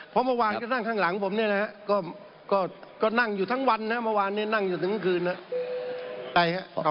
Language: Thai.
เพราะเมื่อวานก็นั่งข้างหลังผมเนี่ยนะฮะก็ก็นั่งอยู่ทั้งวันนะ